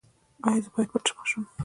ایا زه باید پټ شم؟